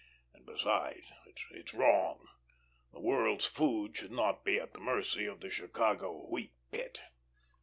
And, besides, it's wrong; the world's food should not be at the mercy of the Chicago wheat pit."